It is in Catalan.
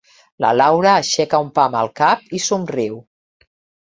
La Laura aixeca un pam el cap i somriu.